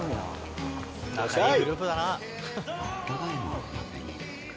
仲いいグループだな。